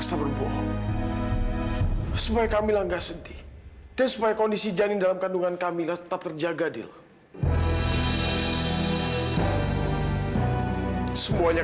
sampai jumpa di video selanjutnya